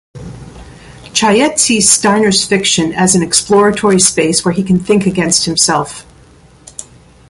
Cheyette sees Steiner's fiction as an exploratory space where he can think against himself.